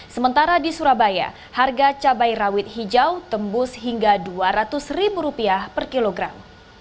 sementara di surabaya harga cabai rawit hijau tembus hingga rp dua ratus ribu rupiah per kilogram